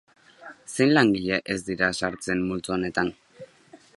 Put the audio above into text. Zein langile ez dira sartzen multzo honetan?